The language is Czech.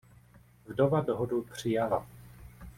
Vdova dohodu přijala.